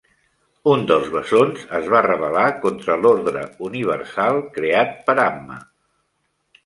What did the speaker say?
Un dels bessons es va rebel·lar contra l'ordre universal creat per Amma.